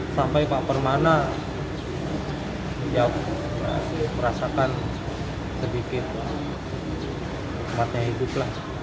sampai pak permana ya aku merasakan sedikit kematian hidup lah